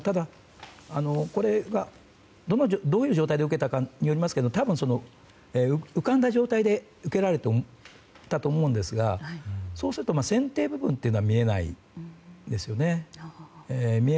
どういう状態で受けたかによりますが多分、浮かんだ状態で受けられたと思うんですがそうすると船底部分は見えないですよね。